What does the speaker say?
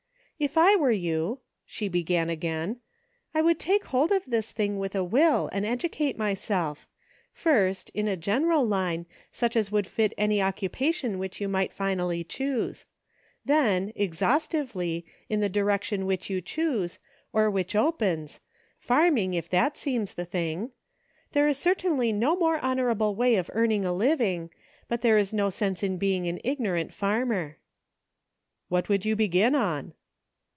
" If I were you," she began again, " I would take hold of this thing with a will, and educate myself; first, in a general line, such as would fit any occu pation which you might finally choose ; then, ex haustively, in the direction which you choose, or which opens — farming, if that seems the thing. There is certainly no more honorable way of earn ing a living ; but there is no sense in being an ignorant farmer." " What would you begin on